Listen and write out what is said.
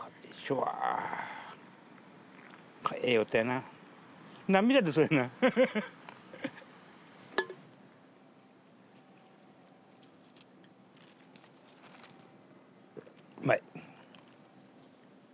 うまい！